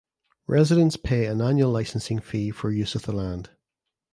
Residents pay an annual licensing fee for use of the land.